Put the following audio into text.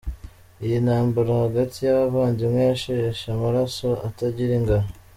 Iyi ntambara hagati y’abavandimwe yasheshe amaraso atagira ingano.